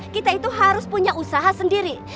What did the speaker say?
kita itu harus punya usaha sendiri